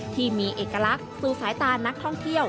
ที่มีเอกลักษณ์สู่สายตานักท่องเที่ยว